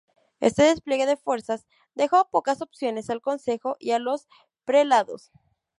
Este despliegue de fuerza dejó pocas opciones al consejo y a los prelados.